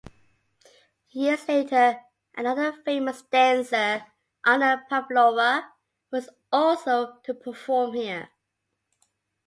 Years later another famous dancer, Anna Pavlova, was also to perform here.